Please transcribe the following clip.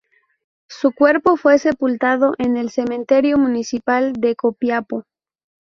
Su cuerpo fue sepultado en el Cementerio Municipal de Copiapó.